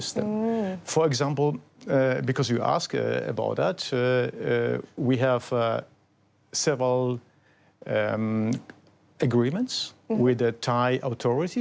เช่นถ้าคุณถามเรื่องนี้เรามีหลายธุรกิจ